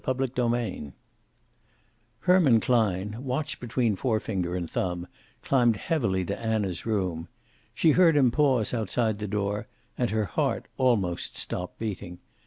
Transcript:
CHAPTER XXIX Herman Klein, watch between forefinger and thumb, climbed heavily to Anna's room. She heard him pause outside the door, and her heart almost stopped beating.